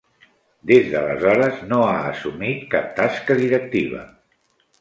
Des d'aleshores no ha assumit cap tasca directiva.